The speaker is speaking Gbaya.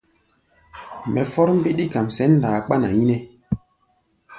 Mɛ fɔ́r mbíɗí kam sɛ̌n ndaa kpána yínɛ́.